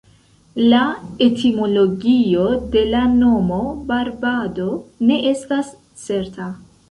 La etimologio de la nomo "Barbado" ne estas certa.